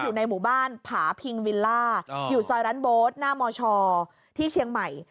อยู่ในหมู่บ้านผาพิงวิลล่าอยู่ซอยร้านโบ๊ทหน้ามชที่เชียงใหม่